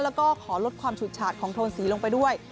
แล้วก็ขอลดความฉุดฉาดของโทนสีลงไปด้วย